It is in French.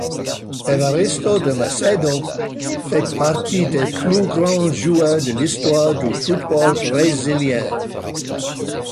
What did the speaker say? Evaristo de Macedo fait partie des plus grands joueurs de l'histoire du football brésilien.